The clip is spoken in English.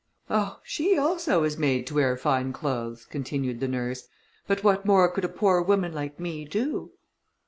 "Oh! she also was made to wear fine clothes," continued the nurse, "but what more could a poor woman like me do?"